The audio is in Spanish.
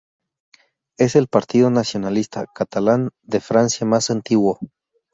Es el partido nacionalista catalán de Francia más antiguo.